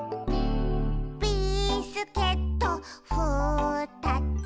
「ビスケットふたつ」